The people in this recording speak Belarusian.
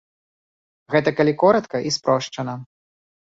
Гэта калі коратка і спрошчана.